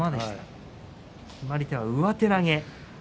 決まり手は上手投げ。